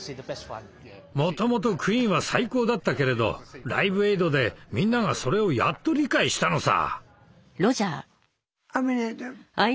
もともとクイーンは最高だったけれど「ライブエイド」でみんながそれをやっと理解したのさ。